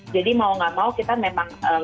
jadi mau nggak mau kita memang